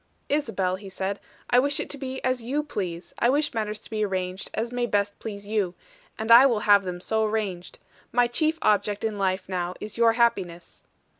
"Isabel," he said, "I wish it to be as you please; I wish matters to be arranged as may best please you: and I will have them so arranged. My chief object in life now is your happiness."